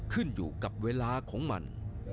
ขึ้นอยู่กับเวลาของมัน